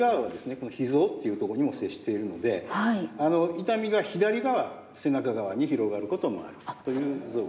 この脾臓っていうとこにも接しているので痛みが左側背中側に広がることもあるという臓器。